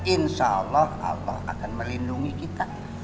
insya allah allah akan melindungi kita